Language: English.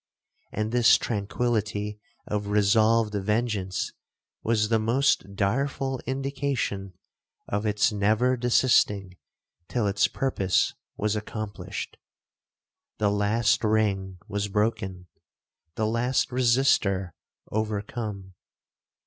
And this tranquillity of resolved vengeance was the most direful indication of its never desisting till its purpose was accomplished. The last ring was broken—the last resister overcome.